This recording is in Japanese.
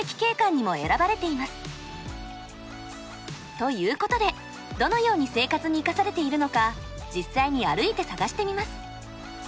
ということでどのように生活に生かされているのか実際に歩いて探してみます。